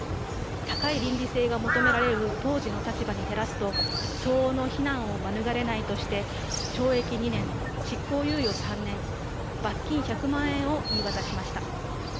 高い倫理性が求められる当時の立場に照らすと相応の非難を免れないとして懲役２年、執行猶予３年、罰金１００万円を言い渡しました。